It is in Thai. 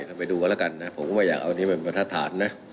เราไปดูกันละกันนะผมก็ไม่อยากเอาอันนี้เป็นประทัดฐานนะ